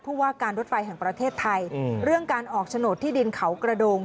ว่าการรถไฟแห่งประเทศไทยเรื่องการออกโฉนดที่ดินเขากระโดง